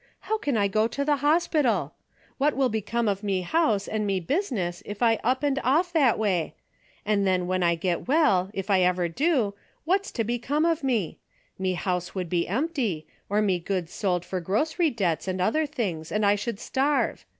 How can I go to the hospital ? What will become of me house, and me business if I up and off that way ? And then when I get well, if I ever do, what's to become of me ? Me house would be empty, or me goods sold for grocery debts and other DAILY rate:'' 39 tilings, and I should starve.